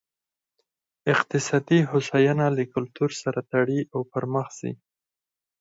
اقتصادي هوساینه له کلتور سره تړي او پرمخ ځي.